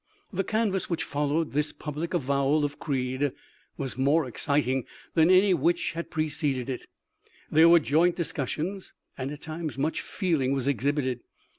The canvass which followed this public avowal of creed, was more exciting than any which had pre ceded it. There were joint discussions, and, at times, much feeling was exhibited.